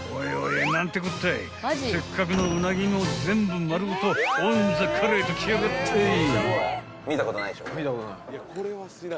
［せっかくのウナギも全部丸ごとオンザカレーときやがったい］